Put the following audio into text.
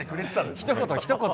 ひと言、ひと言。